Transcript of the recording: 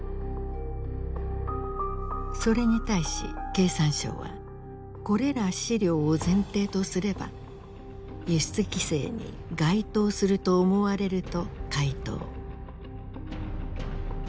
それに対し経産省はこれら資料を前提とすれば輸出規制に該当すると思われると回答。